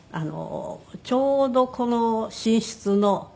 ちょうどこの寝室の。